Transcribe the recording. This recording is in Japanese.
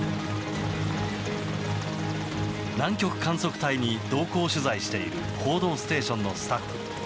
南極観測隊に同行取材している「報道ステーション」のスタッフ。